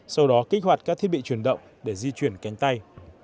sau đó kích hoạt các thiết bị chuyển động để di chuyển cánh tay